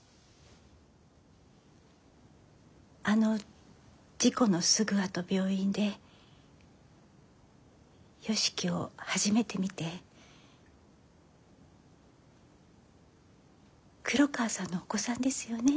あの事故のすぐあと病院で良樹を初めて見て「黒川さんのお子さんですよね」